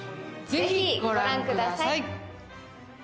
ぜひ、ご覧ください。